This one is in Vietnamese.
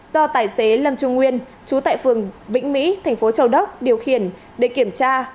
do tài xế lâm trung nguyên chú tại phường vĩnh mỹ tp châu đốc điều khiển để kiểm tra